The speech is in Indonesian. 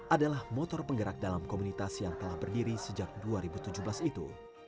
adalah motor penggerak dalam komunitas yang telah berdiri sejak dua ribu tujuh belas itu